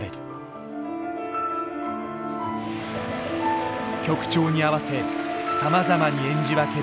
曲調に合わせさまざまに演じ分ける表現力。